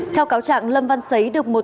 theo cáo trạng lâm văn xấy được một